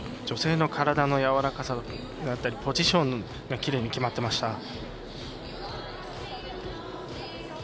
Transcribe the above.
女性の体のやわらかさであったりポジションがきれいに決まっていました。